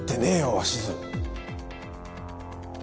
鷲津。